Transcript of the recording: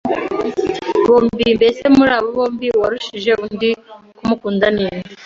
bombi. Mbese muri abo bombi uwarushije undi kumukunda ni nde?